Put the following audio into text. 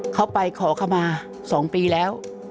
เขาไปขอเข้ามา๒ปีแล้ว